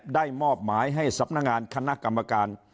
ได้มอบหมายให้สำนักงานคณะกรรมการ